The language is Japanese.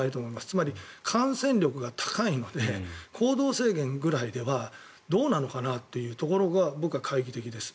つまり、感染力が高いので行動制限くらいではどうなのかなっていうところが僕は懐疑的です。